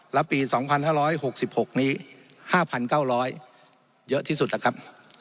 แล้วปีสองพันห้าร้อยหกสิบหกนี้ห้าพันเก้าร้อยเยอะที่สุดนะครับ